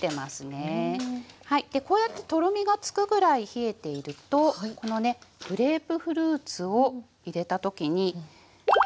でこうやってとろみがつくぐらい冷えているとこのねグレープフルーツを入れた時に。